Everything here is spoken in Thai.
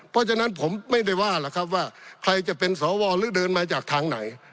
เพราะฉะนั้นผมไม่ได้ว่าหรอกครับว่าใครจะเป็นสวหรือเดินมาจากทางไหน